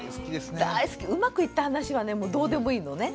うまくいった話はねもうどうでもいいのね。